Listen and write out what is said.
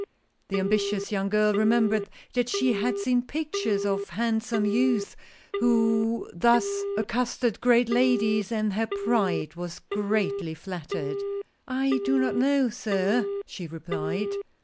The ambitious young girl remembered that she had seen pictures of hand some youths who thus accosted great ladies, and her pride was greatly flattered. " I do not know, sir," she replied.